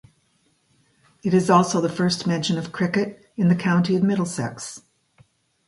It is also the first mention of cricket in the county of Middlesex.